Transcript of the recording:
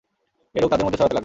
এ রোগ তাদের মধ্যে ছড়াতে লাগল।